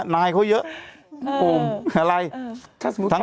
นายเยอะ